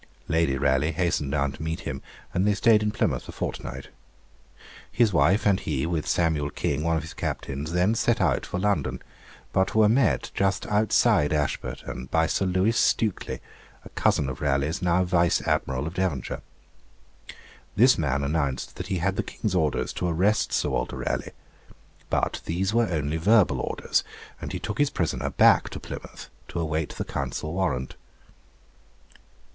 Lady Raleigh hastened down to meet him, and they stayed in Plymouth a fortnight. His wife and he, with Samuel King, one of his captains, then set out for London, but were met just outside Ashburton by Sir Lewis Stukely, a cousin of Raleigh's, now Vice Admiral of Devonshire. This man announced that he had the King's orders to arrest Sir Walter Raleigh; but these were only verbal orders, and he took his prisoner back to Plymouth to await the Council warrant.